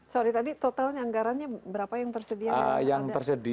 sorry tadi totalnya anggarannya berapa yang tersedia